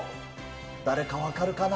誰か分かるかな？